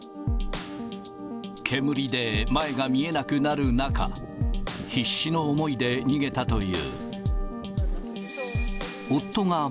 煙で前が見えなくなる中、必死の思いで逃げたという。